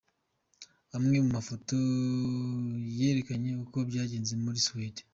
Amwe mu mafoto yerekana uko byagenze muri Suède.